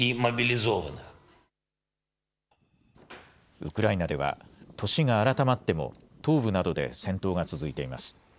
ウクライナでは、年が改まっても東部などで戦闘が続いています。